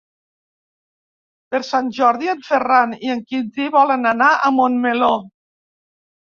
Per Sant Jordi en Ferran i en Quintí volen anar a Montmeló.